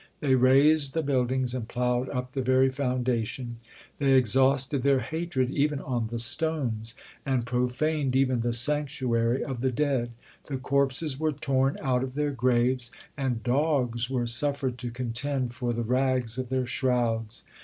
They razed the buildings, and ploughed up the very foundation; they exhausted their hatred even on the stones, and profaned even the sanctuary of the dead; the corpses were torn out of their graves, and dogs were suffered to contend for the rags of their shrouds.